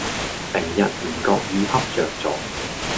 成日唔覺意恰著左